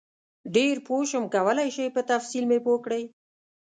ډېر پوه شم کولای شئ په تفصیل مې پوه کړئ؟